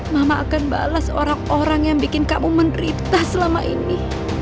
mama akan balas orang orang yang bikin kamu menderita selama ini